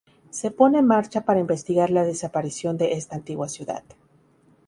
Se pone en marcha para investigar la desaparición de esta antigua ciudad.